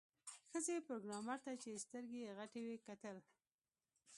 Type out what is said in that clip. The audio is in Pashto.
ښځې پروګرامر ته چې سترګې یې غټې وې وکتل